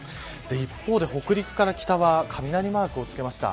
一方で北陸から北は雷マークをつけました。